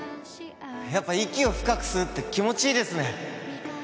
やっぱ息を深く吸うって気持ちいいですね